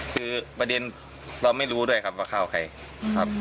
คือประเด็นเราไม่รู้ด้วยครับว่าข้าวใครครับ